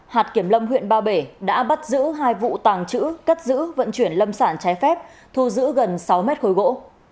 hạt kiểm lâm huyện ba bể đã bắt giữ hai vụ tàng trữ cất giữ vận chuyển lâm sản trái phép thu giữ gần sáu mét khối gỗ